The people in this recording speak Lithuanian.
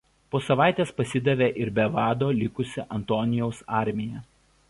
Po savaitės pasidavė ir be vado likusi Antonijaus armija.